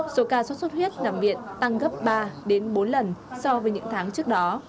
số ca sốt xuất huyết nằm viện tăng gấp ba đến bốn lần so với những tháng trước đó